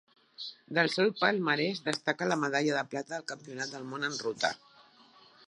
Del seu palmarès destaca la medalla de plata al Campionat del Món en ruta.